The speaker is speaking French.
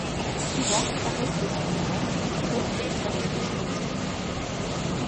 Souvent, paraissent des suppléments qui traitent des thèmes spécialisés.